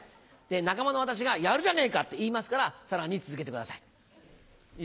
仲間の私が「やるじゃねえか！」って言いますからさらに続けてください。